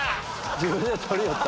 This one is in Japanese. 自分で取りよった。